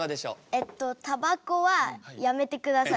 えっとタバコはやめてください。